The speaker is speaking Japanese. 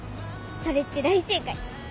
それって大正解。